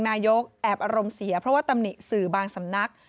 นายกแอบอารมณ์เสียเพราะว่าตำหนิสื่อบางสำนัก